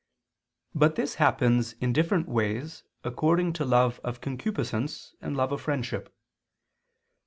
But this happens in different ways according to love of concupiscence, and love of friendship.